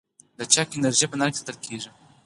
لچک انرژي په فنر کې ساتل کېږي.